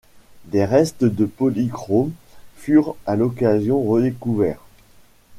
Des restes de polychromes furent à l'occasion redécouverts.